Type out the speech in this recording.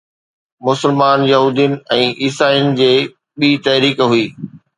مسلمان يهودين ۽ عيسائين جي ٻي تحريڪ هئي